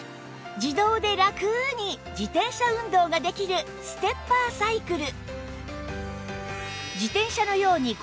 自動でラクに自転車運動ができるステッパーサイクル